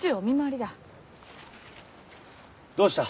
どうした？